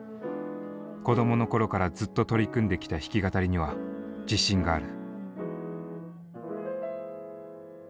子どもの頃からずっと取り組んできた弾き語りには自信がある。